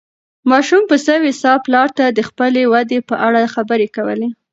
ماشوم په سوې ساه پلار ته د خپلې ودې په اړه خبرې کولې.